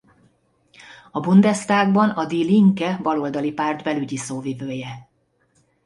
A Bundestagban a Die Linke baloldali párt belügyi szóvivője.